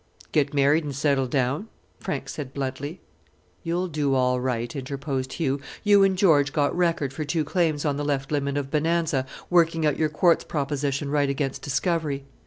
"Get married and settle down," Frank said bluntly. "You'll do all right," interposed Hugh, "you and George got record for two claims on the left limit of Bonanza working out your quartz proposition right against discovery.